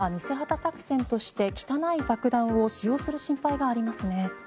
ロシアが偽旗作戦として汚い爆弾を使用する心配がありますね。